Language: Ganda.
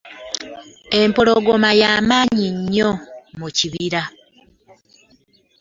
Empologoma yamanyi nnyo mu kibira.